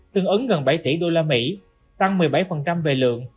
tương ứng gần bảy triệu đô la mỹ tăng một mươi bảy về lượng